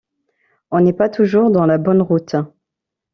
On n’est pas toujours dans la bonne route.